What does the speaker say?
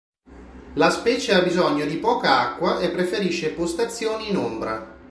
La specie ha bisogno di poca acqua e preferisce postazioni in ombra.